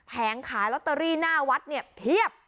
ขายลอตเตอรี่หน้าวัดเนี่ยเพียบ